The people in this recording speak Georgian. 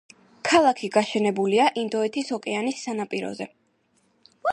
ქალაქი გაშენებულია ინდოეთის ოკეანის სანაპიროზე.